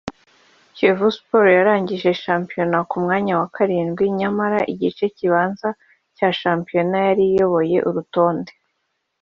Kiyovu sport yarangije shampiyona ku mwanya wa karindwi nyamara igice kibanza cya shampiyona yari iyoboye urutonde